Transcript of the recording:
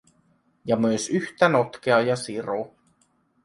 Ja myös yhtä notkea ja siro.